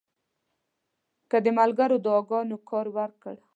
که د ملګرو دعاګانو کار ورکړ.